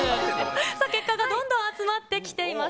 さあ、結果がどんどん集まってきています。